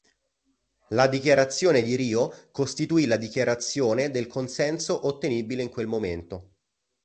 La Dichiarazione di Rio costituì la dichiarazione del consenso ottenibile in quel momento.